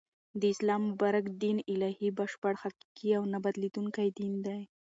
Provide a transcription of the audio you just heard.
د اسلام مبارک دین الهی ، بشپړ ، حقیقی او نه بدلیدونکی دین دی